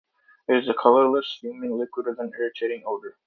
It is a colourless, fuming liquid with an irritating odour.